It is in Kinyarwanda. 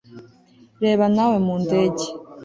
reba nawe mu ndege